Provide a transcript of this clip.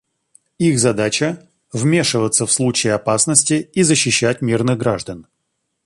Их задача — вмешиваться в случае опасности и защищать мирных граждан.